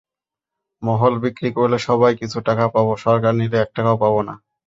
মহল বিক্রি করলে সবাই, কিছু টাকা পাবো, সরকার নিলে এক টাকাও পাবোনা।